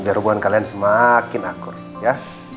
biar hubungan kalian semakin akur ya